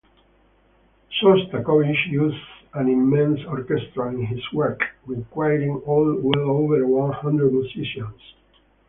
Shostakovich uses an immense orchestra in this work, requiring well over one hundred musicians.